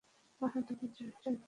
বাহাদুরীর জয় জয়কার ছিল।